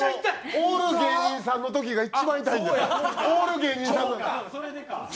オール芸人さんのときが一番痛いねん。